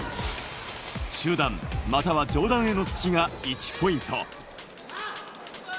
中段または上段への突きが１ポイント。